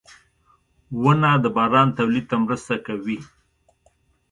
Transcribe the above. • ونه د باران تولید ته مرسته کوي.